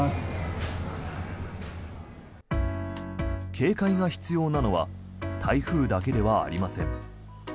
警戒が必要なのは台風だけではありません。